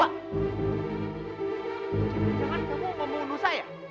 jangan jangan kamu mau membunuh saya